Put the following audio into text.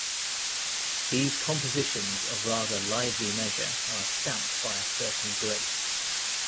These compositions of rather lively measure are stamped by a certain grace.